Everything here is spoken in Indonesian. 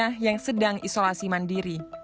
tapi ada yang sedang isolasi mandiri